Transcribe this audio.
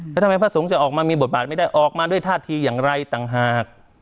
แล้วทำไมพระสงฆ์จะออกมามีบทบาทไม่ได้ออกมาด้วยท่าทีอย่างไรต่างหาก